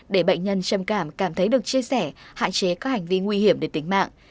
để bệnh nhân trầm cảm cảm thấy được chia sẻ hạn chế các hành vi nguy hiểm đến tính mạng